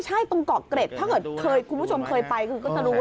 ใช่ตรงเกาะเกร็ดถ้าเธอเคยคุณผู้ชมเคยไปก็จะรู้เลยว่าตรงนี้